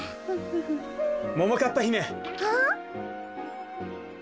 ・ももかっぱひめ。あっ？